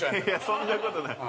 ◆そんなことない。